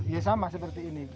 ya sama seperti ini